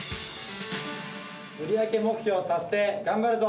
売り上げ目標達成、頑張るぞ！